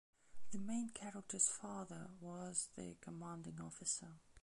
The main character's father was the Commanding Officer.